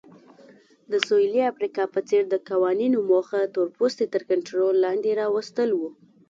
د سویلي افریقا په څېر د قوانینو موخه تورپوستي تر کنټرول لاندې راوستل وو.